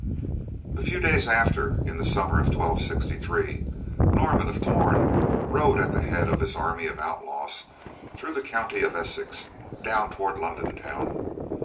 A few days after, in the summer of 1263, Norman of Torn rode at the head of his army of outlaws through the county of Essex, down toward London town.